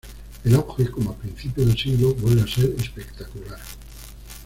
El auge, como a principios de siglo vuelve a ser espectacular.